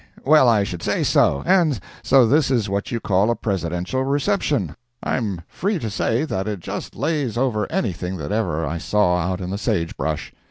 Well, I should say so. And so this is what you call a Presidential reception. I'm free to say that it just lays over anything that ever I saw out in the sage brush.